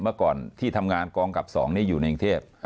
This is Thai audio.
เมื่อก่อนที่ทำงานกองกับ๒นี่อยู่ในกรุงเทพ